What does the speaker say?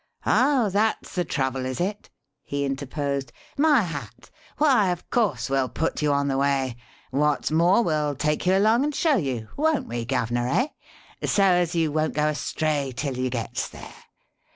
"Oh, that's the trouble, is it?" he interposed. "My hat! Why, of course we'll put you on the way. Wot's more, we'll take you along and show you won't we, guv'ner, eh? so as you won't go astray till you gets there.